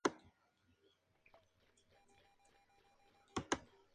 Se encuentra en el este del país, haciendo frontera con Pakistán.